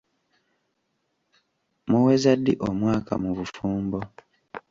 Muweza ddi omwaka mu bufumbo?